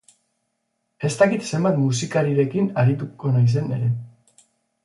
Ez dakit zenbat musikarirekin arituko naizen ere.